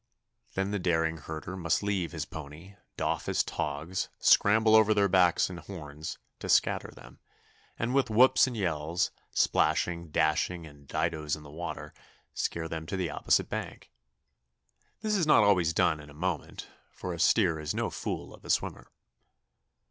Then the daring herder must leave his pony, doff his togs, scramble over their backs and horns, to scatter them, and with whoops and yells, splashing, dashing, and didos in the water, scare them to the opposite bank. This is not always done in a moment, for a steer is no fool of a swimmer.